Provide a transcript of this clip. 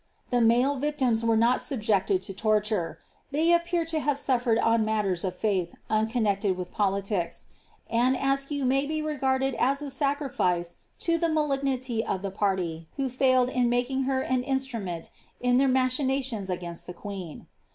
The male victims were not subjected to torture. They appear to have suflered on matters of faith unconnected with politics. Anne Askew may be regarded as a sacrifice to the malignity of tlie party who failed in making her an instrument in their machinations against the queen.